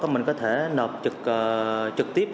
mình có thể nợ trực tiếp